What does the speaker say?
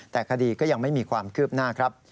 แต่คดีก็ยังไม่มีความคืบหน้าครับ